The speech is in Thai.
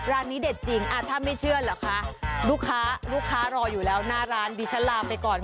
ร้านนี้เด็ดจริงถ้าไม่เชื่อเหรอคะลูกค้าลูกค้ารออยู่แล้วหน้าร้านดิฉันลาไปก่อน